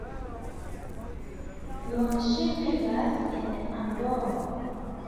Nun ŝi vivas en Andoro.